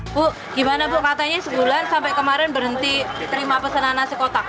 bu gimana bu katanya sebulan sampai kemarin berhenti terima pesanan nasi kotak